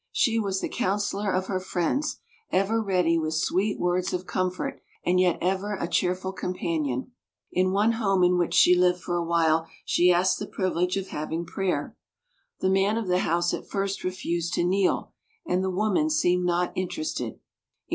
She was the counsellor of her friends, ever ready with sweet words of comfort, and yet ever a cheerful companion. In one home in which she lived for a while she asked the privilege of having prayer. The man of the house at first refused to kneel and the woman seemed not interested.